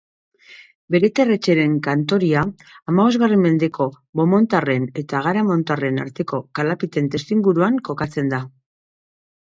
Bereterretxen Khantoria hamabostgarren mendeko Beaumontarren eta Agaramontarren arteko kalapiten testuinguruan kokatzen da.